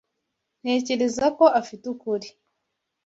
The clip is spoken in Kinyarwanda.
Ntekereza ko afite ukuri.